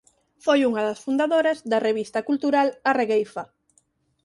Foi unha das fundadoras da revista cultural "A Regueifa".